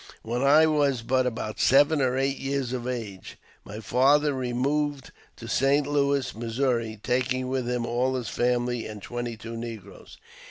When I was but about seven or eight years of age, my father removed to St. Louis, Missouri, taking with him all his family and twenty two negroes.